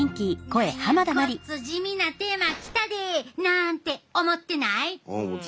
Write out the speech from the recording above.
何やごっつ地味なテーマ来たで！なんて思ってない？